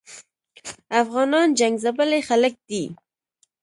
افغانان جنګ ځپلي خلګ دي